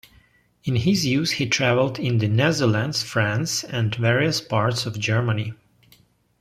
In his youth he travelled in the Netherlands, France and various parts of Germany.